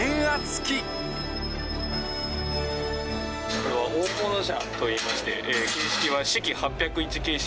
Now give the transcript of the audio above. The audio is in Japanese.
これは大物車といいまして形式はシキ８０１形式。